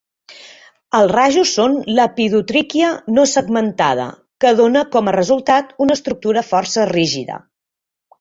Els rajos són "lepidotrichia" no segmentada, que dona com a resultat una estructura força rígida.